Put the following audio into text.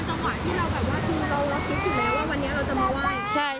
คิดถึงแล้วว่าวันนี้เราจะมาไหว้